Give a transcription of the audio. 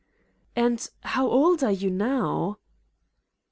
"And how old are you now."